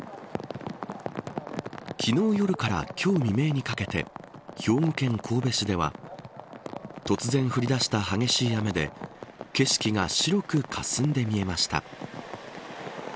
昨日夜から今日未明にかけて兵庫県神戸市では突然降り出した激しい雨で景色が白くかすんで見えました。